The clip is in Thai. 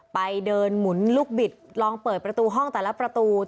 ไปเดินหมุนลูกบิดลองเปิดประตูห้องแต่ละประตู